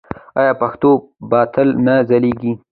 آیا پښتو به تل نه ځلیږي؟